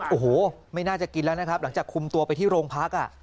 โอ้โหไม่น่าจะกินแล้วนะครับหลังจากคุมตัวไปที่โรงพักอ่ะ